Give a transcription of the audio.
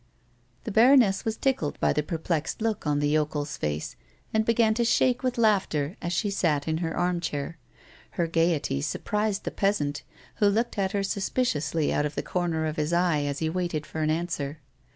The baroness was tickled by the perplexed look on the yokel's face and began to shake with laughter as she sat in her arm chair. Her gaiety surprised the peasant, who looked at her suspiciously out of the comer of his eye as he waited for an answer.